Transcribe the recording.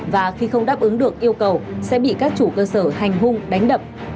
và khi không đáp ứng được yêu cầu sẽ bị các chủ cơ sở hành hung đánh đập